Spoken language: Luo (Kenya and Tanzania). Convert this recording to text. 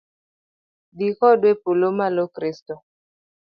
Dhi kodwa epolo malo Kristo